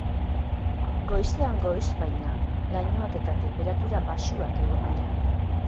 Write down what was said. Goizean goiz, baina, lainoak eta tenperatura baxuak egon dira.